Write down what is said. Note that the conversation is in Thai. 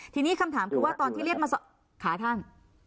ทีนี้คำถามคือว่าตอนที่เรียกมาขาท่าน